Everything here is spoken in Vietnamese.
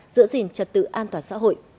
giữ gìn trật tự an toàn xã hội